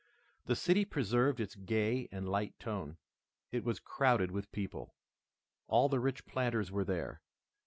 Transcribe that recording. The city preserved its gay and light tone. It was crowded with people. All the rich planters were there.